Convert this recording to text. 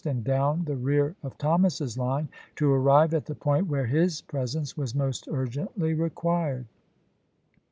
and down the rear of Thomas's line, to arrive at the point where his presence was most urgently re quii ed.